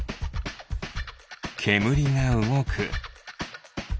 けむりがうごく。